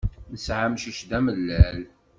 Tesɛa amcic d amellal.